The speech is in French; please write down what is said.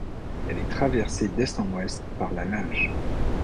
Elle est traversée d'est en ouest par la Linge.